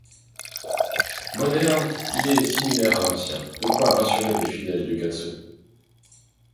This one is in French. Moderne, il est similaire à l'ancien, de quoi rassurer les fidèles du Quat'Sous.